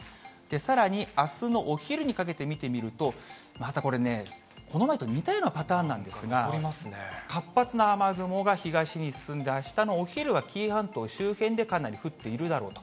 さらにあすのお昼にかけて見てみると、またこれね、この前と似たようなパターンなんですが、活発な雨雲が東に進んで、あしたのお昼は紀伊半島周辺でかなり降っているだろうと。